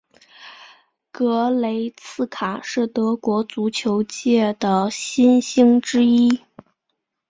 格雷茨卡是德国足球界的新星之一。